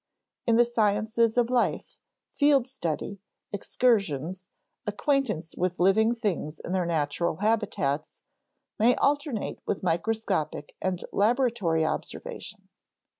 In the sciences of life, field study, excursions, acquaintance with living things in their natural habitats, may alternate with microscopic and laboratory observation.